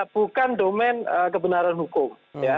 bukan domen kebenaran hukum